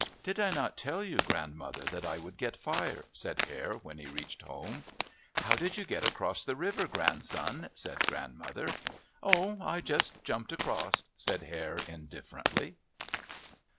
"Did I not tell you, Grandmother, that I would get fire?" said Hare when he reached home. "How did you get across the river, Grandson?" asked Grandmother. "Oh, I just jumped across," said Hare indifferently.